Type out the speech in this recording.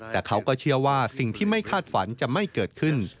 แต่เขาก็เชื่อว่าสิ่งที่ไม่คาดฝันจะไม่เกิดขึ้น